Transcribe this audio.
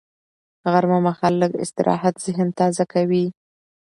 غرمه مهال لږ استراحت ذهن تازه کوي